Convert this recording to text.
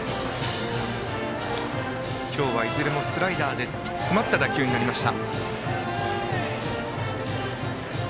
今日はいずれもスライダーで詰まった打球になっています。